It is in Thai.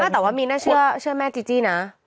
แต่ว่ามีนน่าเชื่อแม่จีจี้นะ